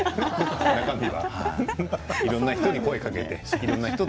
中身はいろんな人に声をかけてはい。